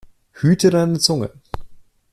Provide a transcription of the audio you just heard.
Hüte deine Zunge!